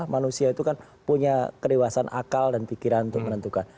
manusia itu kan punya kedewasan akal dan pikiran untuk menentukan